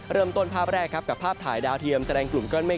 เริ่มต้นภาพแรกครับกับภาพถ่ายดาวเทียมแสดงกลุ่มก้อนเมฆ